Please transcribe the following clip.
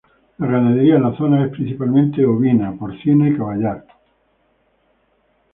La ganadería en la zona es principalmente ovino, porcino y caballar.